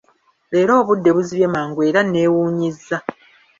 Leero obudde buzibye mangu era nneewuunyizza.